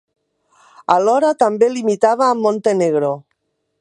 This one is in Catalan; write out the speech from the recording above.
Alhora també limita amb Montenegro.